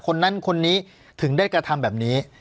คนนั้นคนนี้ถึงได้กระทำแบบนี้